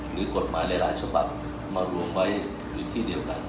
หรือกฎหมายหลายฉบับมารวมไว้ในที่เดียวกัน